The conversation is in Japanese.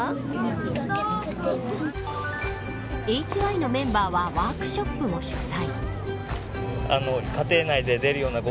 ＨＹのメンバーはワークショップを主催。